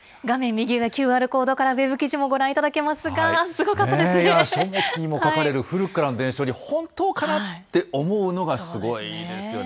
右上、ＱＲコードからウェブ記事もご覧いただけますが、すごかったですいや、書物にも書かれる古くからの現象に、本当かなって思うのがすごいですよね。